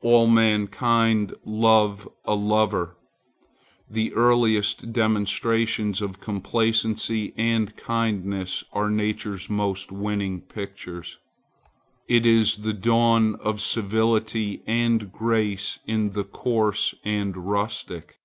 All mankind love a lover. The earliest demonstrations of complacency and kindness are nature's most winning pictures. It is the dawn of civility and grace in the coarse and rustic.